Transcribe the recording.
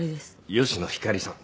吉野ひかりさん。